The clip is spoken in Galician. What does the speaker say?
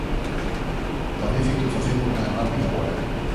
Parece que o facemos máis rápido agora.